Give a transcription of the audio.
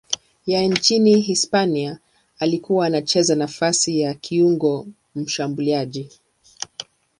ya nchini Hispania aliyekuwa anacheza nafasi ya kiungo mshambuliaji.